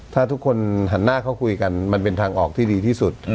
ถ้าทุกคนหันหน้าเขาคุยกันมันเป็นทางออกที่ดีที่สุด